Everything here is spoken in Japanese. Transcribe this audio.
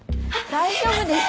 大丈夫ですか？